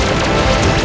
aku tidak mau